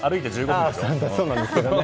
そうなんですけどね。